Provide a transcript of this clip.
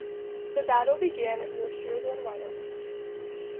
The battle began near Sheridan, Wyoming.